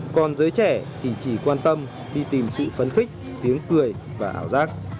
còn giới trẻ thì chỉ quan tâm đi tìm sự phấn khích tiếng cười và ảo giác